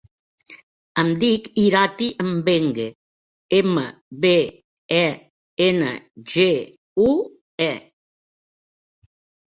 Em dic Irati Mbengue: ema, be, e, ena, ge, u, e.